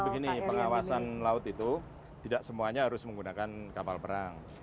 jadi begini pengawasan laut itu tidak semuanya harus menggunakan kapal perang